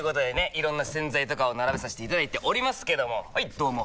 いろんな洗剤とかを並べさせていただいておりますけどもはいどうも！